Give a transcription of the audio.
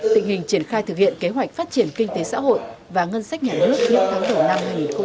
tình hình triển khai thực hiện kế hoạch phát triển kinh tế xã hội và ngân sách nhà nước những tháng đầu năm hai nghìn hai mươi